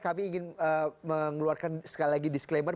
kami ingin mengeluarkan sekali lagi disclaimer